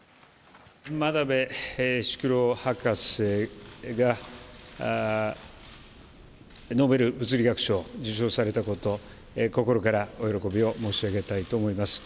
真鍋淑郎博士がノーベル物理学賞、受賞されたこと、心からお喜びを申し上げたいと思います。